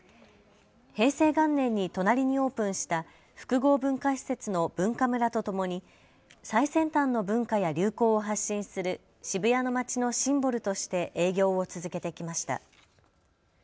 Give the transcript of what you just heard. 平成元年に隣にオープンした複合文化施設のＢｕｎｋａｍｕｒａとともに最先端の文化や流行を発信する渋谷の街のシンボルとして営業を続けてきました。